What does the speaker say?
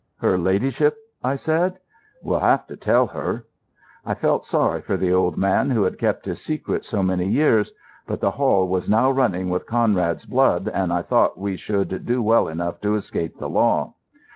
"Her ladyship?" I said. "We'll have to tell her." I felt sorry for the old man who had kept his secret so many years. But the hall was now running with Conrad's blood, and I thought we should do well enough to escape the law.